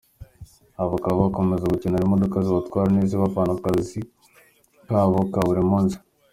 Aba bakaba bakomeza gukenera imodoka zibatwa n’izibavana ku kazi kabo ka buri munsi.